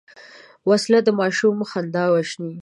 وسله د ماشوم خندا وژني